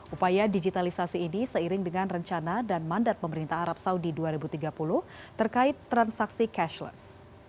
upaya digitalisasi ini seiring dengan rencana dan mandat pemerintah arab saudi dua ribu tiga puluh terkait transaksi cashless